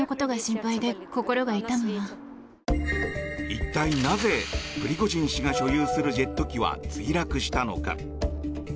一体なぜ、プリゴジン氏が所有するジェット機は墜落したのか？